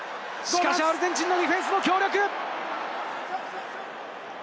しかしアルゼンチンのディフェンスも強力！